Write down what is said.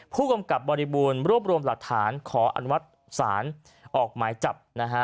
ผู้กำกับบริบูรณ์รวบรวมหลักฐานขออนุมัติศาลออกหมายจับนะฮะ